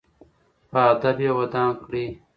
په ادب یې ودان کړئ.